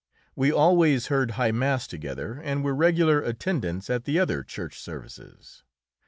We always heard high mass together, and were regular attendants at the other church services.